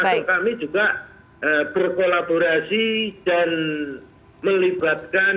termasuk kami juga berkolaborasi dan melibatkan